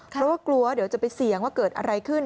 เพราะว่ากลัวเดี๋ยวจะไปเสี่ยงว่าเกิดอะไรขึ้น